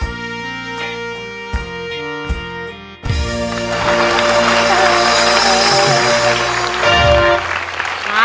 ๔แสนบาท